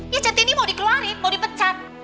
ya centini mau dikeluarin mau dipecat